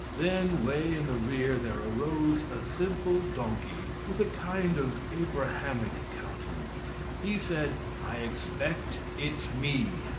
Then way in the rear there arose a simple donkey, with a kind of Abrahamic countenance. He said: "I expect it's me.